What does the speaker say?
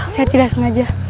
saya tidak sengaja